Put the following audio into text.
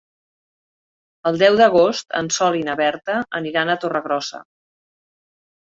El deu d'agost en Sol i na Berta aniran a Torregrossa.